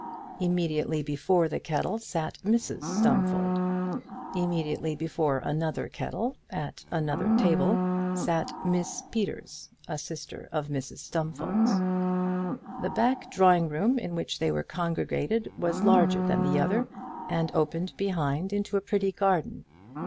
Immediately before the kettle sat Mrs Stumfold. Immediately before another kettle, at another table, sat Miss Peters, a sister of Mrs Stumfold's. The back drawing room in which they were congregated was larger than the other, and opened behind into a pretty garden.